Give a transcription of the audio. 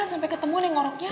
sampai ketemu neng orangnya